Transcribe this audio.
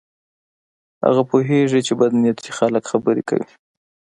هغه پوهیږي چې بد نیتي خلک خبرې کوي.